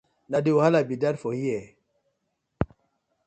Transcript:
Na de wahala bi dat for here.